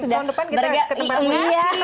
lima tahun depan kita ketemu lagi